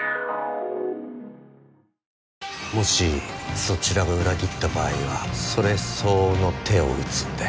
もしそちらが裏切った場合はそれ相応の手を打つんで。